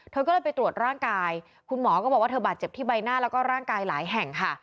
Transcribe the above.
เธอก็เลยไปตรวจร่างกายคุณหมอก็บอกว่าเธอบาดเจ็บที่ใบหน้าแล้วก็ร่างกายหลายแห่งค่ะ